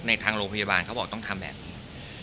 ทางโรงพยาบาลเขาบอกต้องทำแบบนี้